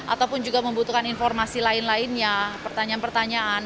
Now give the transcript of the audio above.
ataupun juga membutuhkan informasi lain lainnya pertanyaan pertanyaan